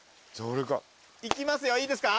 いきますよいいですか？